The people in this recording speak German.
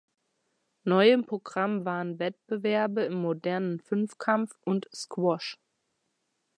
Neu im Programm waren Wettbewerbe im Modernen Fünfkampf und Squash.